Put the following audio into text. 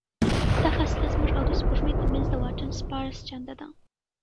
دا فاصله زموږ او د سپوږمۍ ترمنځ د واټن شپاړس چنده ده.